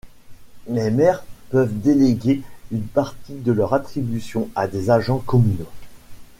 Les maires peuvent déléguer une partie de leurs attributions à des agents communaux.